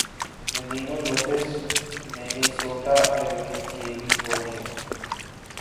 منینولوپس Minnesota Aruvi California